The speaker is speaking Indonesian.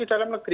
di dalam negeri